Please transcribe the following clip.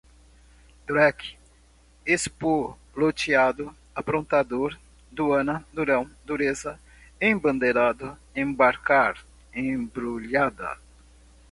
dreque, espolotiado, aprontador, duana, durão, dureza, embandeirado, embarcar, embrulhada